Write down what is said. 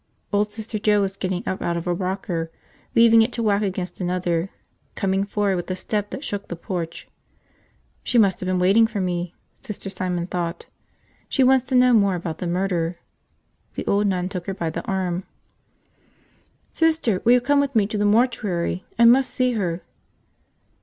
Old Sister Joe was getting up out of a rocker, leaving it to whack against another, coming forward with a step that shook the porch. She must have been waiting for me, Sister Simon thought, she wants to know more about the murder. The old nun took her by the arm. "Sister, will you come with me to the mortuary? I must see her."